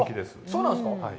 そうなんですか。